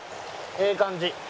ええ感じ。